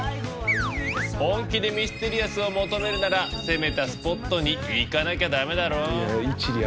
本気でミステリアスを求めるなら攻めたスポットに行かなきゃダメだろ！小声で。